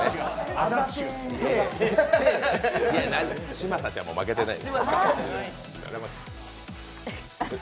嶋佐ちゃんも負けてない。